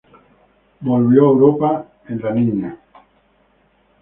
Volvió a Europa en La Niña.